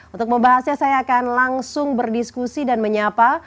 untuk membahasnya saya akan langsung berdiskusi dan menyapa